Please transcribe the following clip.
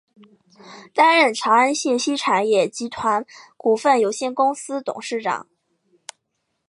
担任长安信息产业集团股份有限公司董事长。